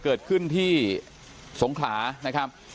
เกิดขึ้นที่สงขลานะครับ